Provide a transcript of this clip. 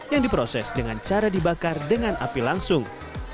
yang diproses dengan cara dibakar dengan api langsung